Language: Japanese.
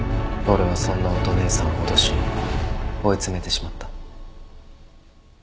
俺はそんな乙姉さんを脅し追い詰めてしまった。